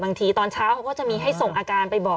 ตอนเช้าเขาก็จะมีให้ส่งอาการไปบอก